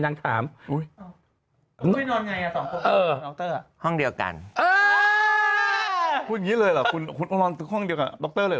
นางถามนอนยังไงห้องเดียวกันคุณนอนทุกห้องเดียวกันดรเลย